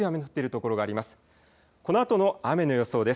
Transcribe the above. このあとの雨の予想です。